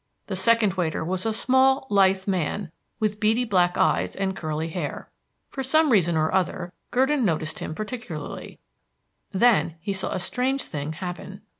The second waiter was a small, lithe man, with beady, black eyes and curly hair. For some reason or other, Gurdon noticed him particularly; then he saw a strange thing happen.